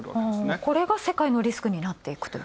これが世界のリスクになっていく？